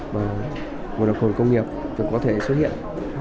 mà ngộ độc hồi công nghiệp có thể xuất hiện